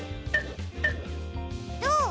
どう？